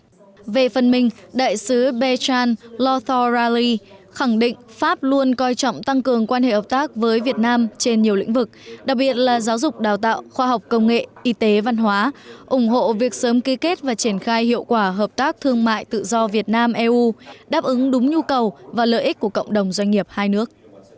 phó thủ tướng nhấn mạnh hai bên cần hướng tới xây dựng các mối quan hệ đối tác công nghiệp lothar raleigh khẳng định pháp luôn coi trọng tăng cường quan hệ hợp tác với việt nam trên nhiều lĩnh vực đặc biệt là giáo dục đào tạo khoa học công nghệ y tế văn hóa ủng hộ việc sớm ký kết và triển khai hiệu quả hợp tác thương mại tự do việt nam eu đáp ứng đúng nhu cầu và lợi ích của cộng đồng doanh nghiệp hai nước